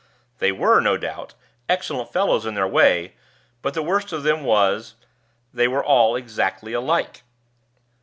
They were, no doubt, excellent fellows in their way; but the worst of them was, they were all exactly alike.